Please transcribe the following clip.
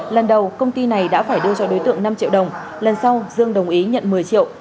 lần đầu công ty này đã phải đưa cho đối tượng năm triệu đồng lần sau dương đồng ý nhận một mươi triệu